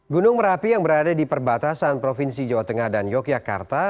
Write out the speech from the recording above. gunung merapi yang berada di perbatasan provinsi jawa tengah dan yogyakarta